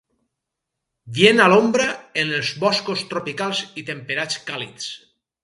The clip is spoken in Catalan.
Vien a l'ombra en els boscos tropicals i temperats càlids.